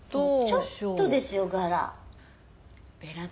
ちょっとですよガラ。